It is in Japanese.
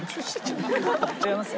違いますよ。